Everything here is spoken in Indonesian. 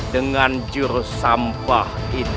dengan jurus sampah itu